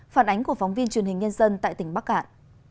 phản ánh của phóng viên truyền hình nhân dân tại tỉnh bắc cạn